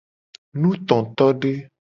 Nutotode.